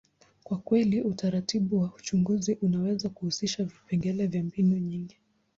kwa kweli, utaratibu wa uchunguzi unaweza kuhusisha vipengele vya mbinu nyingi.